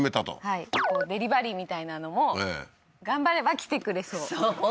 はいデリバリーみたいなのも頑張れば来てくれそう本当？